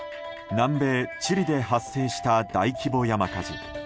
南米チリで発生した大規模山火事。